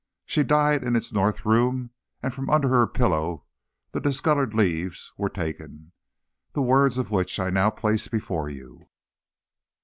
She died in its north room, and from under her pillow the discolored leaves were taken, the words of which I now place before you.